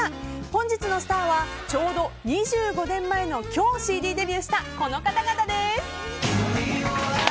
本日のスターはちょうど２５年前の今日ＣＤデビューしたこの方々です。